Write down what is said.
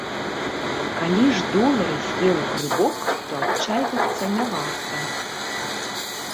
Калі ж долар з'еў грыбок, то адчайвацца не варта.